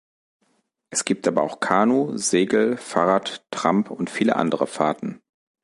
Es gibt aber auch Kanu-, Segel-, Fahrrad-, Tramp- und viele andere Fahrten.